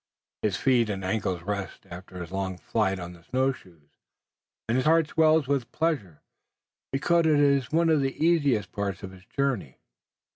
His feet and ankles rest, after his long flight on the snow shoes, and his heart swells with pleasure, because it is one of the easiest parts of his journey.